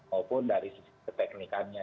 maupun dari sisi keteknikannya